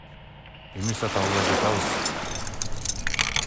Эми сата албай жатабыз.